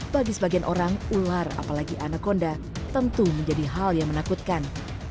bagi sebagian orang ular apalagi anak honda tentu menjadi hal yang menakutkan